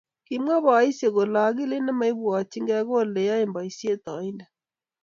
Kimwa boisiek kole agilit nemaibwatekiy ko Ole yoe boisiet oindet